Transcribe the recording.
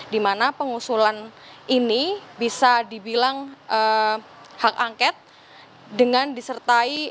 dimana pengusulan ini bisa dibilang hak angket dengan disertai